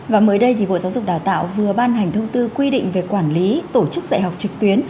và mới đây thì bộ giáo dục đào tạo vừa ban hành thông tư quy định về quản lý tổ chức dạy học trực tuyến